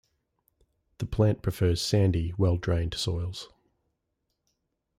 The plant prefers sandy, well-drained soils.